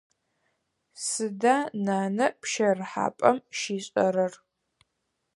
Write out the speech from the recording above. Сыда нанэ пщэрыхьапӏэм щишӏэрэр?